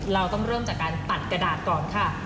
เราต้องเริ่มจากการตัดกระดาษก่อนค่ะ